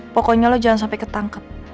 pokoknya lo jangan sampai ketangkep